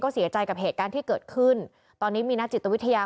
เสียใจกับเหตุการณ์ที่เกิดขึ้นตอนนี้มีนักจิตวิทยา